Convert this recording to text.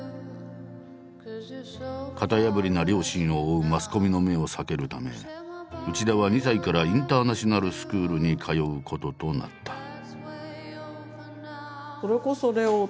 型破りな両親を追うマスコミの目を避けるため内田は２歳からインターナショナルスクールに通うこととなった。